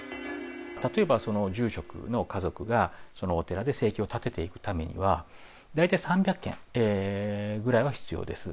例えば住職の家族がそのお寺で生計を立てていくためには、大体３００軒ぐらいは必要です。